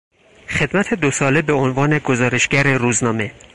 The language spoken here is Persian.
خدمت دو ساله به عنوان گزارشگر روزنامه